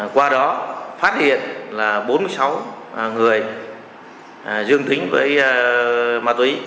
qua đó phát hiện là bốn mươi sáu người dương tính với ma túy